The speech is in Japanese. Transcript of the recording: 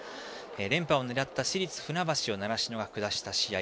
連覇を狙った市立船橋を習志野が下した試合。